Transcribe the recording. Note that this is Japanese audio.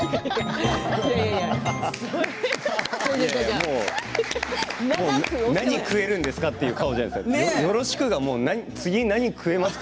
もう何食えるんですか？という顔じゃないですか。